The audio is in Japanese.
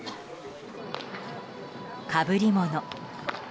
かぶりもの。